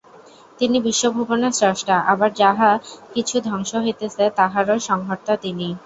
তিনি বিশ্বভুবনের স্রষ্টা, আবার যাহা কিছু ধ্বংস হইতেছে, তাহারও সংহর্তা তিনিই।